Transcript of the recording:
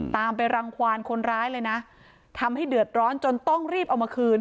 ตามไปรังความคนร้ายเลยนะทำให้เดือดร้อนจนต้องรีบเอามาคืน